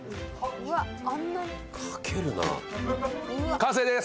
完成です！